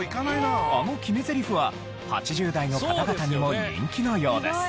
あの決めゼリフは８０代の方々にも人気のようです。